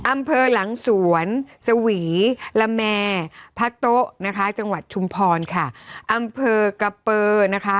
อำเภอหลังสวนสวีละแมร์พะโต๊ะนะคะจังหวัดชุมพรค่ะอำเภอกะเปอร์นะคะ